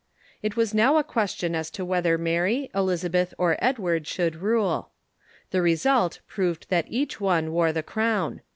It was now a question as to whether Mary, Elizabeth, or Edward should rule. The result proved that each one wore the crown.